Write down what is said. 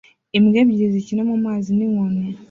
imbwa ebyiri zikina mumazi ninkoni